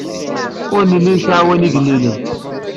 Ur nelli nettɛawan igellilen.